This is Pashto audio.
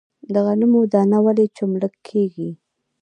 د غنمو دانه ولې چملک کیږي؟